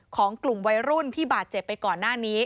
ของกลุ่มวัยรุ่นที่บาดเจ็บไปก่อนหน้านี้